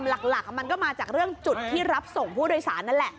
หลักมันก็มาจากเรื่องจุดที่รับส่งผู้โดยสารนั่นแหละ